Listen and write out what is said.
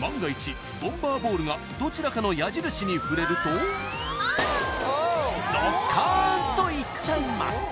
万が一ボンバーボールがどちらかの矢印に触れるとどっかん！といっちゃいます